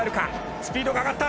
スピードが上がった。